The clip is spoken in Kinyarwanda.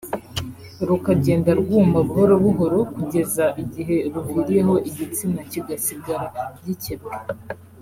rukagenda rwuma buhoro buhoro kugeza igihe ruviriyeho igitsina kigasigara gikebwe